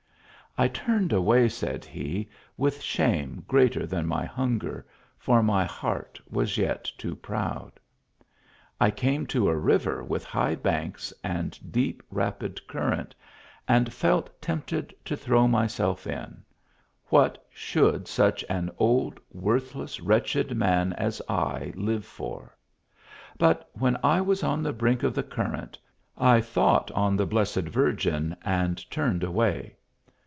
" I turned away," said he, " with shame greater than my hunger, for my heart was yet too proud. I came to a river with high banks and deep rapid current, and felt tempted to throw myself in ; what should such an old worth less wretched man as I live for ! But, when 1 was on the brink of the current, I thought on the blessed Virgin, and turned away.